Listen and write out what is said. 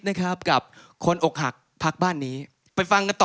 ให้เขาพ้นความคมคืนต่อมาเริ่มค่อยมาร่วงใหม่